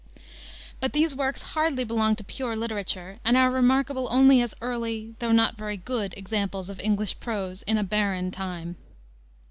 But these works hardly belong to pure literature, and are remarkable only as early, though not very good, examples of English prose in a barren time.